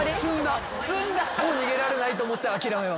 もう逃げられないと思って諦めます。